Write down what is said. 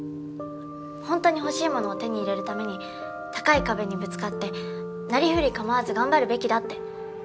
本当に欲しいものを手に入れるために高い壁にぶつかってなりふり構わず頑張るべきだって。